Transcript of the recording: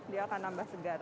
dia akan nambah segar